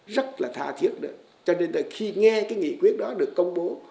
rất là tha thiết cho nên khi nghe nghị quyết đó được công bố